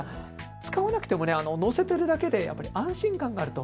使わなくてものせているだけで安心感があると。